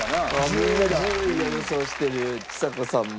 みんな１０位を予想してるちさ子さんも。